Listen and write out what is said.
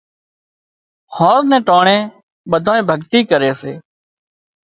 هانز نين ٽانڻي ٻڌانئين ڀڳتي ڪري سي